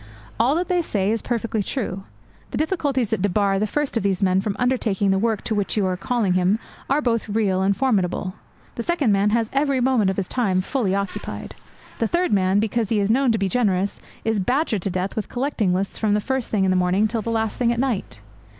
All that they say is perfectly true. The difficulties that debar the first of these men from undertaking the work to which you are calling him are both real and formidable; the second man has every moment of his time fully occupied; the third man, because he is known to be generous, is badgered to death with collecting lists from the first thing in the morning till the last thing at night.